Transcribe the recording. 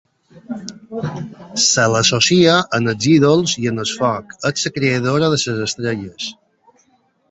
Se l'associa als ídols i al foc, és la creadora de les estrelles.